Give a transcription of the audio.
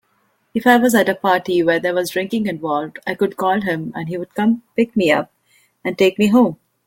If I was at a party where there was drinking involved, I could call him and he would come pick me up and take me home.